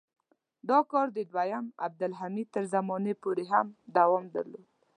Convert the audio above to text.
دا کار د دویم عبدالحمید تر زمانې یې هم دوام درلود.